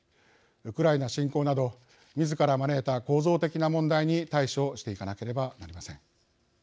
ウクライナ侵攻などみずから招いた構造的な問題に対処していかなければなりません。